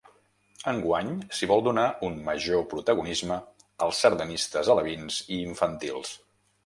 Enguany s’hi vol donar un major protagonisme als sardanistes alevins i infantils.